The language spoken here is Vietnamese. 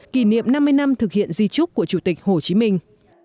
kỷ niệm năm mươi năm thực hiện di trúc của chủ tịch hồ chí minh